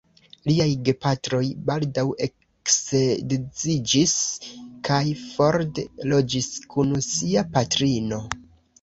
Liaj gepatroj baldaŭ eksedziĝis kaj Ford loĝis kun sia patrino.